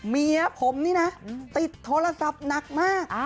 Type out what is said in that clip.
เมียผมนี่นะติดโทรศัพท์หนักมาก